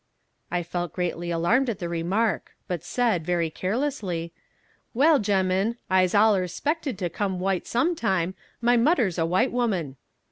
I felt greatly alarmed at the remark, but said, very carelessly, "Well, gem'in I'se allers 'spected to come white some time; my mudder's a white woman."